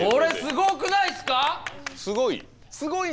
すごい。